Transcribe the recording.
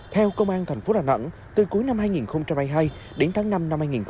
theo công an thành phố đà nẵng từ cuối năm hai nghìn hai mươi hai đến tháng năm năm hai nghìn hai mươi ba